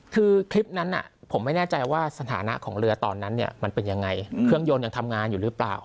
คือคลิปนั้นผมไม่แน่ใจว่าสถานะของเรือตอนนั้นเนี่ยมันเป็นยังไงเครื่องยนต์ยังทำงานอยู่หรือเปล่า